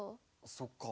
そっか。